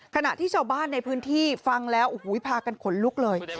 ขณะที่ชาวบ้านในพื้นที่ฟังแล้วโอ้โหพากันขนลุกเลย